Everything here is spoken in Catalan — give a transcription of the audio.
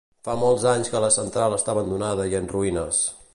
Fa molts anys que la central està abandonada i en ruïnes.